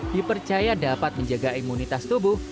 dipercaya dapat menjaga imunitas tubuh